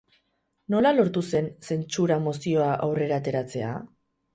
Nola lortu zen zentsura mozioa aurrera ateratzea?